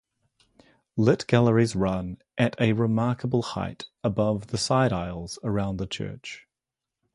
Lit galleries run, at a remarkable height, above the side aisles around the church.